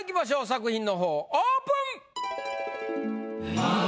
作品の方オープン！